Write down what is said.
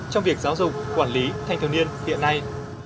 trong việc giáo dục quản lý thanh thiếu niên hiện nay